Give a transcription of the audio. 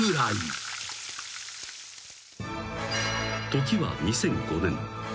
［時は２００５年］